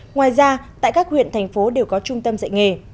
ngoài ra tại các huyện thành phố đều có trung tâm dạy nghề